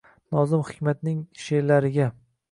Nozim Hikmatning she’rlariga